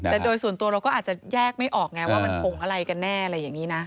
แต่โดยส่วนตัวเราก็อาจจะแยกไม่ออกไงว่ามันผงอะไรกันแน่อะไรอย่างนี้นะ